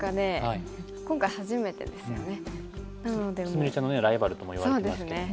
菫ちゃんのライバルとも言われてますけどね。